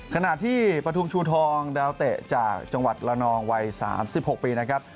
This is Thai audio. ขณะที่ปฐุมชูทองดาวเตะจากจังหวัดละนองวัย๓๖ปีนะครับ